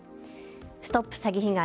ＳＴＯＰ詐欺被害！